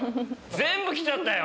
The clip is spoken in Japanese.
全部来ちゃったよ。